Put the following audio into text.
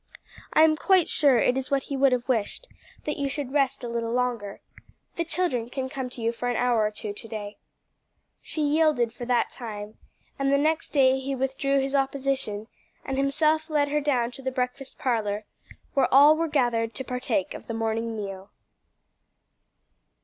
I am quite sure it is what he would have wished that you should rest a little longer. The children can come to you for an hour or two to day." She yielded for that time, and the next day he withdrew his opposition and himself led her down to the breakfast parlour, where all were gathered to partake of the morning meal.